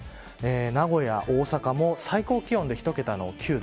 名古屋、大阪も最高気温は一桁の９度。